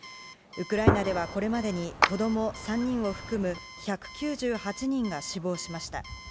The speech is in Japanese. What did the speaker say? ウクライナでは、これまでに子供３人を含む１９８人が死亡しました。